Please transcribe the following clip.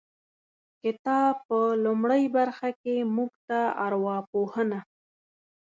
کتاب په لومړۍ برخه کې موږ ته ارواپوهنه